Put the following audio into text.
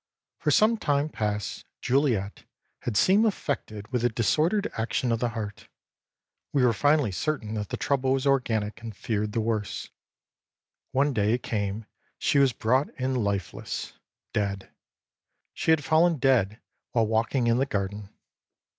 For some time past Juliette had seemed affected with a disordered action of the heart. We were finally certain that the trouble was organic and feared the worst. One day it came, she was brought in lifeless dead. She had fallen dead while walking in the garden.